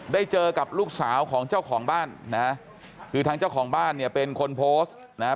ได้เจอกับลูกสาวของเจ้าของบ้านนะคือทางเจ้าของบ้านเนี่ยเป็นคนโพสต์นะฮะ